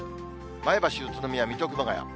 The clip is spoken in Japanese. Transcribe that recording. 前橋、宇都宮、水戸、熊谷。